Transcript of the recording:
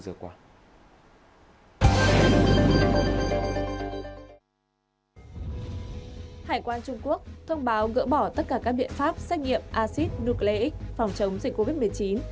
hải quan trung quốc thông báo gỡ bỏ tất cả các biện pháp xét nghiệm acid nucleic phòng chống dịch covid một mươi chín